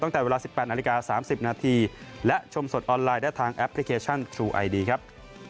ตั้งแต่เวลา๑๘นาฬิกา๓๐นาทีและชมสดออนไลน์ได้ทางแอปพลิเคชันทรูไอดีครับ